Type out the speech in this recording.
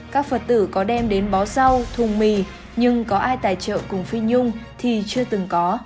các phật tử có đem đến bó rau thùng mì nhưng có ai tài trợ cùng phi nhung thì chưa từng có